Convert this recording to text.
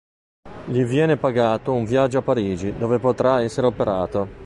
Gli viene pagato un viaggio a Parigi, dove potrà essere operato.